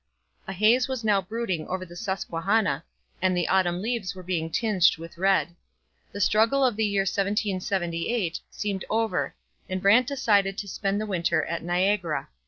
A haze was now brooding over the Susquehanna, and the autumn leaves were being tinged with red. The struggle of the year 1778 seemed over and Brant decided to spend the winter at Niagara.